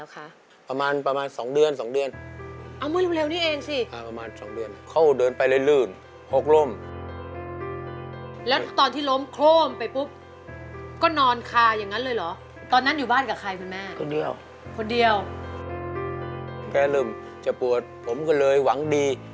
แค่ลืมจะปวดผมก็เลยหวังดี